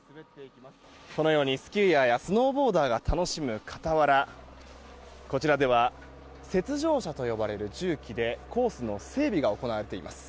このようにスキーヤーやスノーボーダーが楽しむ傍らこちらでは雪上車と呼ばれる重機でコースの整備が行われています。